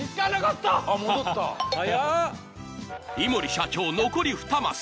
社長残り２マス。